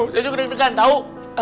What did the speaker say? saya juga ngepik ngepikkan tau